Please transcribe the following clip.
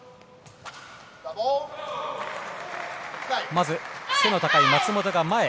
まず、背の高い松本が前。